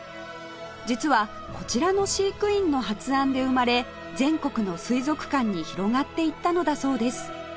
実はこちらの飼育員の発案で生まれ全国の水族館に広がっていったのだそうです